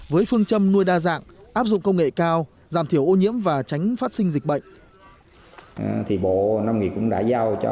với phương châm nuôi đa dạng áp dụng công nghệ cao giảm thiểu ô nhiễm và tránh phát sinh dịch bệnh